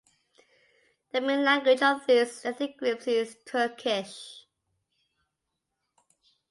The main language of these ethnic groups is Turkish.